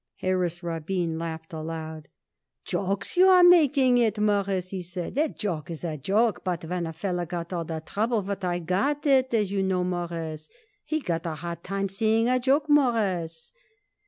Harris Rabin laughed aloud. "Jokes you are making it, Mawruss," he said. "A joke is a joke, but when a feller got all the trouble what I got it, as you know, Mawruss, he got a hard time seeing a joke, Mawruss."